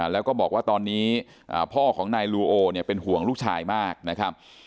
แล้วก็บอกว่าตอนนี้พ่อของนายลูโอเป็นห่วงลูกชายมากนะครับ